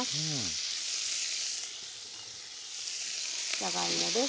じゃがいもです。